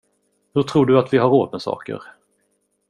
Hur tror du att vi har råd med saker?